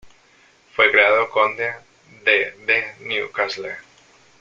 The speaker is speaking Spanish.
Fue creado Conde de de Newcastle.